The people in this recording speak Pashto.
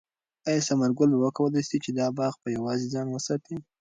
آیا ثمر ګل به وکولای شي چې دا باغ په یوازې ځان وساتي؟